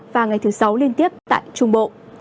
và ngày thứ sáu liên tiếp tại trung bộ